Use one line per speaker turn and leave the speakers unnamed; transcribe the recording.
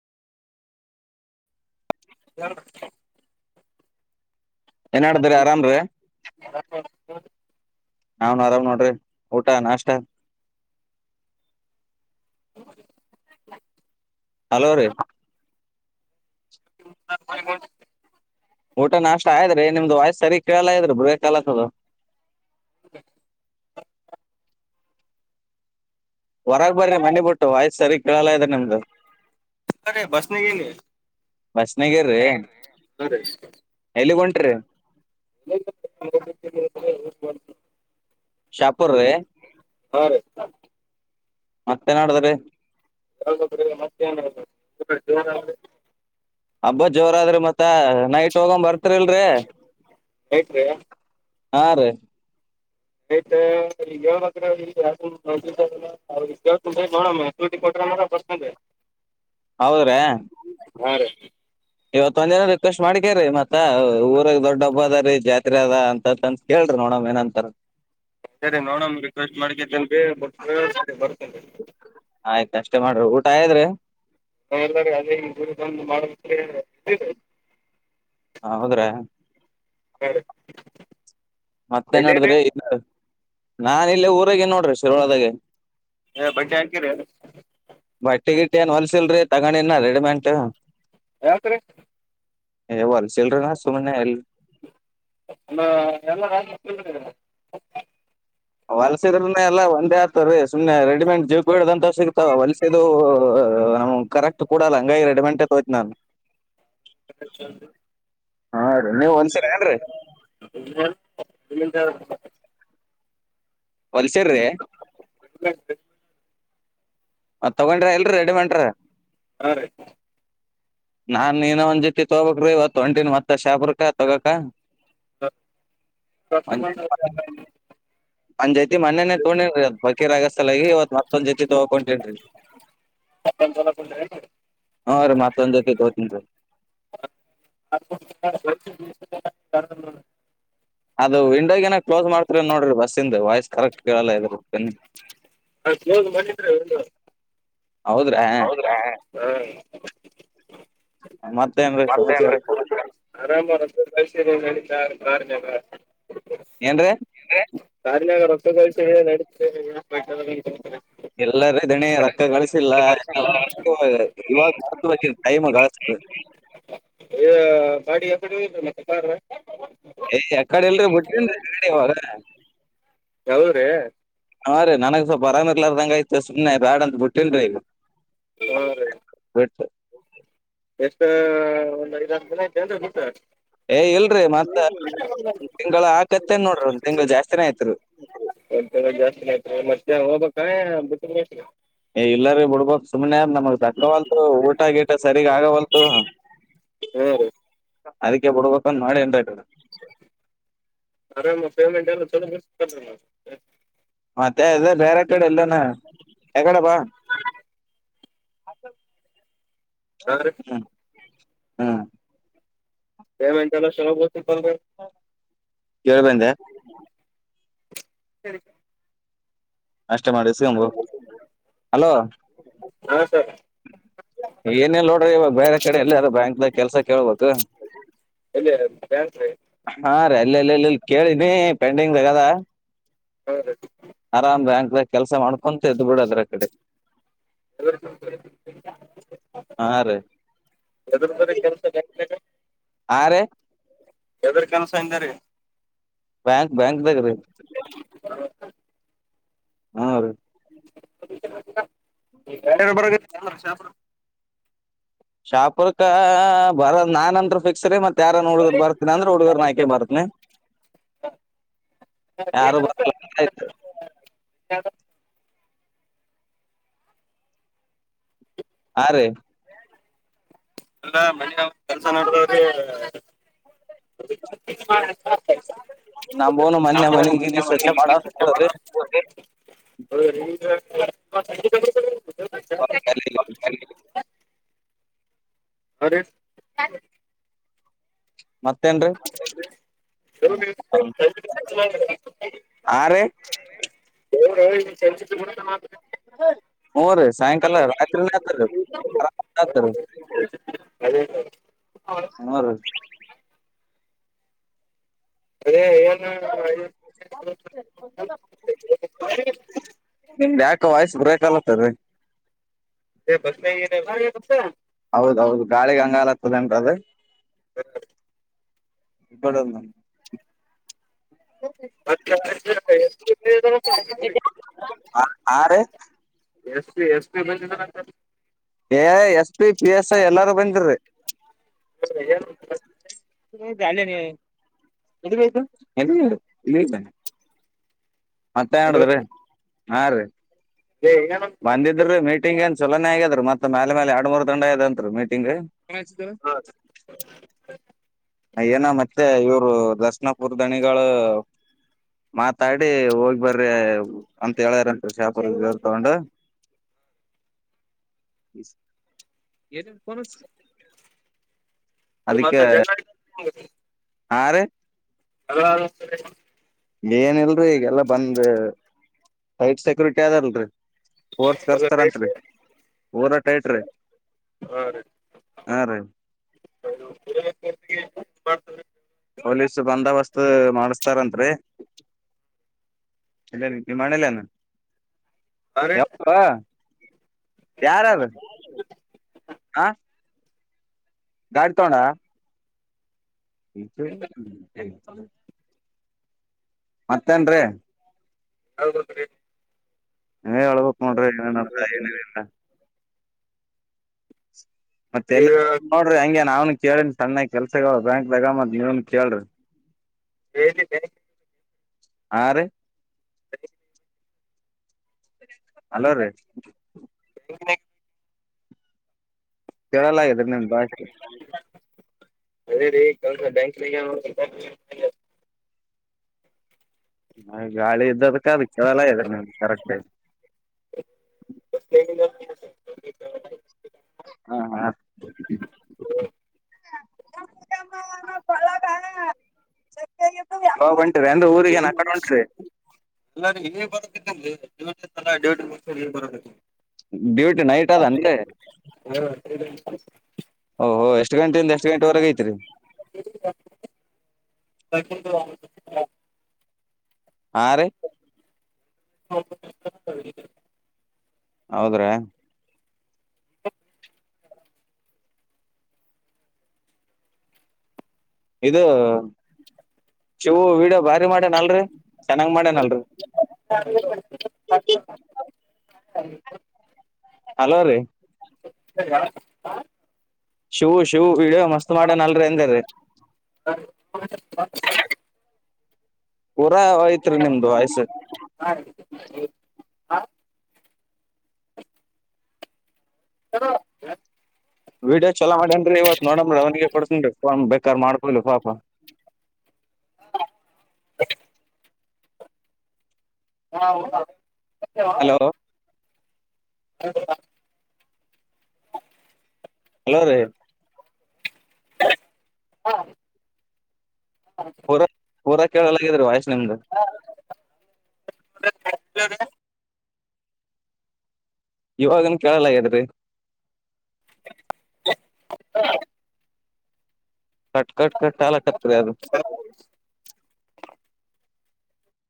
ಹ
ಎನಡ್ದಾರೆ ಆರಾಮ ರ ನಾವನ್ ಆರಾಮ್ ನೋಡ್ರಿ ಊಟ ನಾಷ್ಟ ಹಲೋ ರೀ ಊಟ ನಾಷ್ಟ ಆಯ್ತ್ರೀ ನಿಮ್ದು ವಾಯ್ಸು ಸರಿ ಕೇಳಲ ಇದು ಬ್ರೇಕಲತದು. [inaudible] ಹೊರಗ್ ಬರ್ರಿ ಮನೆ ಬಿಟ್ಟು ವಾಯ್ಸ್ ಸರಿಗ್ ಕೇಳಲ್ಲ ಇದ ನಿಮ್ದು.
ರೆ ಬಸ್ನಿಗಿರಿ.
ಬಸ್ನಗೀರಿ ಎಲ್ಲಿಗ್ ಹೊಂಟ್ರೀ?
[inaudible]
ಶಾಂಪುರ್ ರೀ?
ಹಾ ರೀ.
ಮತ್ತೇನ್ಮಾಡ್ದ್ರೀ?
[unintelligible]
ಹಬ್ಬ ಜೋರಾದ್ರಿ ಮತ್ತ ನೈಟ್ ಹೋಗನ್ ಬರ್ತರಿಲ್ರಿ.
ಐತ್ರಿ
ಹಾ ರೀ
[unintelligible] [unintelligible]
ಹೌದ್ರಾ?
ಹೂಂ ರೀ.
ಇವತ್ತೊಂದ್ ದಿನ ರಿಕ್ವೆಸ್ಟ್ ಮಾಡ್ಕೋರೀ ಮತ್ತ ಊರಗ್ ದೊಡ್ಡ ಹಬ್ಬ ಅದ ರೀ ಜಾತ್ರೆ ಅದ ಅಂತಂತ ಕೇಳ್ ಕೇಳ್ರಿ ನೋಡಮ್ ಏನಂತಾರ.
ಸರಿ ನೋಡಣ ರಿಕ್ವೆಸ್ಟ್ ಮಾಡಕತ್ತೇನ್ [unintelligible] ಬರ್ತೇನೆ ರೀ.
ಆಯ್ತ್ರೀ.
[unintelligible]
ಹೌದ್ರಾ?
ಸರಿ.
ಮತ್ತೇನ್ಮಾಡಿದ್ರಿ ಇ ನಾನ್ ಇಲ್ಲೆ ಊರಾಗಿನ್ ನೋಡ್ರಿ ಶಿರ್ಳದಾಗೆ.
ಏನ್ ಬಟ್ಟೆ ಹಾಕಿರಿ?
ಬಟ್ಟೆ ಗಿಟ್ಟೆ ಏನ್ ಹೊಲ್ಸಿಲ್ರರಿ ತಗೊಂಡಿನ ರೆಡಿಮೆಂಟು.
ಯಾವತ್ರಿ?
ಎ ಹೊಲ್ಸಿಲ್ರೀ ನ ಸುಮ್ನೆ ಎಲ್
[unintelligible]
ಹೊಲ್ಸಿದ್ರನೆ ಎಲ್ಲ ಒಂದೇ ಆಗ್ತವ್ರೀ ಸುಮ್ನೆ ರೆಡಿಮೇಂಟ್ [unintelligible] ಸಿಗ್ತಾವ ಹೊಲ್ಸಿದ್ದು ಏ ನಮಗೆ ಕರೆಕ್ಟ್ ಕೊಡಲ್ಲ ಹಂಗ ರಡಿಮೆಂಟ್ ತೋಯ್ತತ್ ನಾನು. ಹಾ ರೀ ನೀವ್ ಹೊಲ್ಸಿರ
[unintelligible]
ಏನ್ರಿ
[inaudible]
ಹೊಲ್ಸೇರ್ರೀ?
[inaudible]
ತಗೊಂಡ್ರಿ ಇಲ್ರಿ ರೆಡಿಮೆಂಟ್ರೀ. ನಾ ಏನೊ ಒಂದ್ ಜೊತಿ ತೊಗೊಬೇಕ್ರೀ ಇವತ್ತು ಹೊಂಟಿನ್ ಮತ್ತ ಶಾಂಪುರ್ಕೆ ತಗೋಕ. ಒಂದ್
[unintelligible]
ಒಂದ್ ಜೊತಿ ಮನ್ನೇನೆೇ ತೋಂಡೀನ್ರೀ [unintelligible] ಇವತ್ತ್ ಮತ್ತೊಂಜತಿ ತಗೋ ಹೊಂಟೇನ್ರಿ.
[unintelligible]
ಹಾ ರೀ ಮತ್ತೊಂದ್ ಜೊತೆ ತೊಗೊತೀನ್ ರೀ.
[inaudible]
ಅದು ವಿಂಡೋಗೇನ ಕ್ಲೋಸ್ ಮಾಡ್ತರಿ ನೋಡ್ರಿ ಬಸ್ಸಿಂದು ವಾಯ್ಸ್ ಕರೆಕ್ಟ್ ಕೇಳಲ್ಲ ಇದ್ರ
[unintelligible]
ಹೌದು
ಹೌದ್ರಾ ಹ್ಮ.
ಮತ್ತೇನ್ರೀ ಸಮಾಚಾರ
[unintelligible] [unintelligible]
ಏನ್ರೀ?
ಕಾರಿನಾಗ ರೊತಗಿಸಿ ನಡೇ
ಎಲ್ಲರ ದಣಿ ರೊಕ್ಕ ಗಳಿಸಿಲ್ಲ
ಅಂತ ಹೇಳ್ತಾರೆ.
ಇವಾಗ [unintelligible] ಕೈಮ ಕಲಸು
ಬಾಡಿ ಎ ಮತ್ತೆ ಪಾರ
ಯ್ ಯ ಕಡೆ ಎಲ್ರೂ ಬಿಟ್ಟನ್ ಅಡೆ ಇವಾಗ
ಯಾವದ್ರೀ
ಹಾ ರೀ ನನಗ್ ಸ್ವಲ್ಪರಂಗರ್ಲಾರದಂಗ ಐತೆ ಸುಮ್ನೆ ಬ್ಯಾಡ ಅಂತ ಬಿಟ್ಟೇನ್ರಿ ಈಗ
ಹಾ ರೀ
ಬಿಟ್ಟ
ಎಷ್ಟ ಒಂದಐದ ಹದಿನ ಅ ಹಊಟ
ಏ ಇಲ್ರರಿ ಮತ್ತ ತಿಂಗಳ ಹಾಕತ್ತೇನ್ ನೋಡ್ರಿ ಒಂದ ತಿಂಗ್ಳ ಜಾಸ್ತಿನೇ ಆಯತ್ರಿ
ಒ ಜಾಸ್ತಿ ಆಯ್ತ ಮತ್ತೆ ಹೋಗ್ಬೇಕ ಬ
ಏ ಇಲ್ಲಾರೀ ಬಿಡ್ಬ ಸುಮ್ಮ್ನೆ ನಮಗ್ ದಕ್ಕವಲ್ತು ಊಟ ಗೀಟ ಸರಿಗ ಆಗವಲ್ತು
ಹ್ಞೂ ರೀ
ಅದಕ್ಕೆ ಬಿಡ್ಬೇಕಂದ್ ಮಾಡಿ ಎಂಟ ಆ್ತದೆ
ಆರಾಮ ಪೇಮೆಂಟ್ ಎಲ್ಲ ಚೋ
ಮತ್ತೆ ಅ ಬೇರೆ ಕಡೆ ಎಲ್ಲನ ಯಗಡೆ ಬಾ
ಹಾಂ ರೀ
ಹ್ಮ ಹ್ಮ್
ಪೇಮೆಂಟ್ ಎಲ್ಲಾ [unintelligible]
[unintelligible]
ಸರಿ ಸರಿ
ಅಷ್ಟ ಮಾಡಿ ಸಿಗಂಬು ಅಲೋ
ಹಾ ಸರ್
ಏನೇಲ್ ನೋಡ್ರಿ ಇವಾಗ ಬೇರೆ ಕಡೆ ಎಲ್ಲಾರು ಬ್ಯಾಂಕ್ದಾಗ ಕೆಲ್ಸ ಕೇಳ್ಬೇಕು
ಇಲ್ಲಿ ಬ್ಯಾಂಕ್ ರೀ
ಹಾ ರೇ ಇಲ್ಲ ಇಲ್ಲ ಇಲ್ಲ ಇಲ್ಲಿ ಕೇಳಿನಿ ಪೆಂಡಿಂಗ್ಗದ
ಹಾಂ ರೀ
ಆರಾಮ ಕೆಲಸ ಮಾಡ್ಕೊಂತ ಇದ್ದು ಬಿಡದ್ರ ಕಡೆ ಹಾ ರೀ
ಹೆದು ಬ ಕೆಲಸ
ಹಾರೆ
ಯದ್ರ [unintelligible]
ಬ್ಯಾಂಕ್ ಬ್ಯಾಂಕ್ದ ರೀ ಹಾ ರೀ
[unintelligible]
ಶಾಪುರ್ಕ ಬರದ ನಾನ್ಂತ ಫಿಕ್ಸ್ ರೀ ಮತ್ತೆ ತಾರನ್ ಹುಡ್ಗರ್ ಬರ್ತನಿ ಅಂದ್ರೆ ಹುಡ್ಗರ್ ಆಯ್ಕೆ ಬರ್ತಿನಿ ಯರು ಬ ಹಾ ರೀ
ಅಲ್ಲ ಮನ ನ ಕೆಲ್ಸ ನೋಡಿದವ್ರರು
ನಬೋನು ಮಾನ್ಯ ಮನೆ ಕಿ ಸ್ವಚ್ಛ ಪಡ ಅ
ಹಗ
ಹೊ
ಅರೆ
ಮತ್ತೇನ್ ರೀ
ಹ್ಮ
ಹರಿ
[unintelligible]
ಹ್ ರರಿ ಸಾಯಂಕಾಲ ರಾತ್ರಿ
ಅದೇ
ಹ
[unintelligible]
ಯಕ ವಾಯ್ಸ್ ಬ್ರೇಕಲ್ಲ ಸರರಿ
[unintelligible]
ಹೌದೌದು ಗಾಳಿಗ್ ಹಂಗಾಲತ್ತದೇನ್ರಿ ಬಡ
ಮತ್ತ ನೋ
ಹಾ ರೀ
ಎಷ್ಟ ಎಷ್ಟ ಪ ಬಂದ
A S P P S I ಎಲ್ಲಾರು ಬಂದಿ
ಏನ್
ಅ ಎು ಮತ್ತೆ
ಹಲೋ
ಮಾಡುದ್ರೀ ಹಾ ರೀ
ಏ ಏನಂತ
ಬಂದಿದ್ರರು ಮೀಟಿಂಗ್ ಏನ್ ಚಲನೆ ಆಗ್ಯರು ಮತ್ತತ್ ಮೇಲೆ ಮೇಲೆ ಎರಡ್ ಮೂರ್ ದಂಡ ಇದಂ ಮೀಟಿಂಗ್ ಪಚ ದ
ಹಾ
ಏನ ಮತ್ತೆ ಇವರು ದರ್ಶನ ಪುರದಣಿಗಳು ಮಾತಾಡಿ ಹೋಗಿ ಬರ್ರಿ ಅಂತ ಹೇಳ್ಯಾರಂತ ಶಾಪರ್ರು ತಗೊಂಡು ಎಷ್ಟ ಅದಕ್ಕೆ
ಹೌದು
ಹಾ ರ
ಅಲ ಸ
ಏನಲ್ರರಿ ಈಗೆಲ್ಲಾ ಬಂದ ಸೈಟ್ ಸೆಕ್ಯೂರಿಟಿ ಅದಲ್ರರಿ ರ್ಸ್
ಹೊಲ
ಕರ್ಸ್ತಾರತ್ರಿ
ಕೈತ್ರಿ
ರಟೈಟ್
ಹ ಮಾಡ್ತ
ಪೊಲೀಸ್ ಬಂದೋಬಸ್ತ್ ಮಾಡಸ್ತಾರಂರಿ ಇಲ್ಲ ನೀ ಮಾಡಲಾನ ಯಾವವಾ ಯಾರ ಯ ಹಾ ಗಾಡಿ ತೋಣ ಇತಲ್ಲ ಮತ್ತೇನ್ ರೀ
ಹೌಟ ರ
ಏ ಹೇಳಳ್ಬೇಕ ನೋಡ್ರಿ ಏನ ಏನ ಮತ್ತೆ ಎ
ಈಗ
ನೋಡ್ರಿ ಹಂಗಗೆ ನಾವನ್ ಕೇಳನ್ ಸಣ್ಣಾಗ ಕೆಲ್ಸಗ ಬ್ಯಾಂಕ್ದಾಗ ಮತ್ ನೀವನ್ ಕೇಳ್ರಿ
ಹೇಳಿ
ಆರು ಅಲೋ ರೀ
[inaudible]
ತರಲಗಿದ್ರ ನಿಮ ಭಾಷ್ಟೆ
ಅದೇ ರೀ ಕಲ್ಸ ಬ್ಯಾಂಕ್
ಹಾಗೆ ಗಾಳೆದ ಇಕ್ಕ ವಕ್ಕವ ದ ಕರೆಕ್ಟ್ ಹಾ ಹ ಸ
ಎಲ್ಲಾರ ಹ ಬರಕತಿಲ್ಲಿ ಎ ತಲ ಎಡು ವರ್ಷ ಬರತ್ತ
ಬ್ಯೂಟಿ ನೈಟ್ ಅದನ್ರಿ ಓಹೋ ಎಷ್ಟು ಗಂಟೆಯಿಂದ ಎಷ್ಟು ಗಂಟೆವರೆಗೆ ಐತ್ರಿ
ಬು
ಹಾ ರ
ಹೌ
ಹೌದ್ರಾ ಇದು ಚವ ಬಾರಿ ಮಾಡನಲ್ರಿ ಚೆನ್ನಾಗ್ ಮಾಡ್ಯನಲ್ರಿ
ಸರಿ
ಹಲೋ ರೀ
ಹಾ
ಶೂ ಶೂ ಇಡಿಯೋ ಮಸ್ತ್ ಮಾಡನ ಅಲ್ರಿ ಎಂದ್ರೀ ನಿಮ್ದು ವಾಯ್ಸ್
ಹ ಹ
ವಿಡಿಯೋ ಚಲ ಮಾಡೇನ್್ರೀ ಇವತ್ ನೋಡನ್್ರ ಅವನಿಗೆ ಕೊಡ್ತನ್ ಫನ್ ಬೇಕಾರ್ ಮಾಡಬೋಿಲ್ಲ ಪಾಪ
ಹ ಹಾ ಹ
ಹಲೋ
ಹೌಾ
ಹಲೋ ರೀ
ಹಾ ಹ
ಪೂರಾ ಪೂರಾ ಕೇಳಲಾಗಿದ್ರಿ ವಯಸ್ ನಿಮ್ದ
ಹ
ಇವಾಗನ್ ಕೇಳಲ್ಲ ಯದ್ರಿ
[inaudible]
ಕಟ್ ಕಟ್ ಕಟ್ಲ್ಲ ಕಕರಿ ಅದು